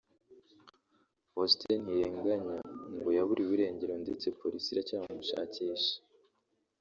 Faustin Ntirenganya ngo yaburiwe irengero ndetse Polisi iracyamushakisha